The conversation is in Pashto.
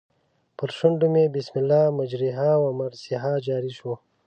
پر شونډو مې بسم الله مجریها و مرسیها جاري شو.